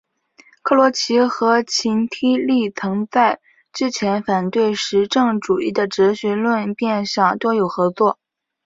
克罗齐和秦梯利曾在之前反对实证主义的哲学论辩上多有合作。